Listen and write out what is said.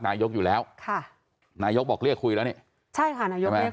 นายกอยู่แล้วค่ะนายกบอกเรียกคุยแล้วนี่ใช่ค่ะนายกเรียก